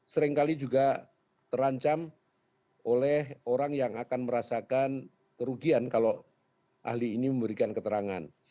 seringkali juga terancam oleh orang yang akan merasakan kerugian kalau ahli ini memberikan keterangan